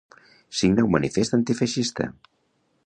Signa un manifest antifeixista.